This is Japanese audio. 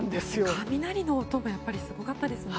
雷の音がすごかったですよね。